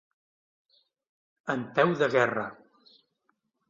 En peu de guerra.